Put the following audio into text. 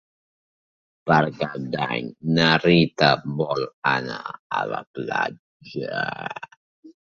Per Cap d'Any na Rita vol anar a la platja.